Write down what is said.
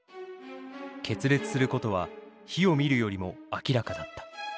決裂することは火を見るよりも明らかだった。